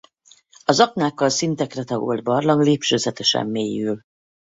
Az aknákkal szintekre tagolt barlang lépcsőzetesen mélyül.